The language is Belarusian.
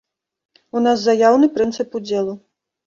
У нас заяўны прынцып удзелу.